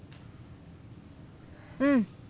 うん。